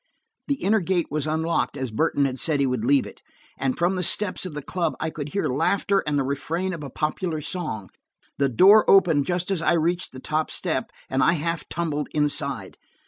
The inner gate was unlocked, as Burton had said he would leave it, and from the steps of the club I could hear laughter and the refrain of a popular song. The door opened just as I reached the top step, and I half tumbled inside.